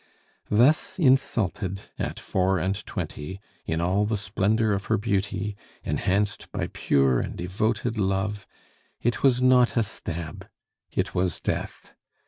Thus insulted at four and twenty, in all the splendor of her beauty, enhanced by pure and devoted love it was not a stab, it was death.